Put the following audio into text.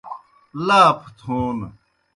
لاپھ تھون